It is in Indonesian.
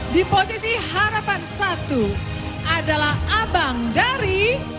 di posisi harapan satu adalah abang dari